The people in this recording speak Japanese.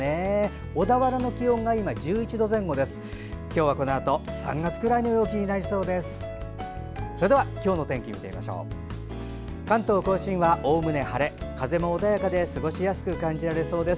小田原の気温が１１度前後です。